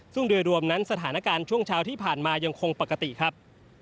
ซึ่งโดยรวมนั้นสถานการณ์ช่วงเช้าที่ผ่านมายังคงปกติครับ